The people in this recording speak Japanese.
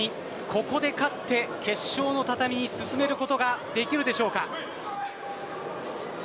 ここで勝って決勝の畳に進むことができるでしょうか。